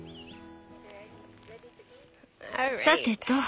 さてと。